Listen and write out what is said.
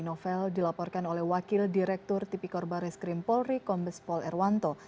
novel dilaporkan oleh wakil direktur tipi korba reskrim polri kombes pol erwanto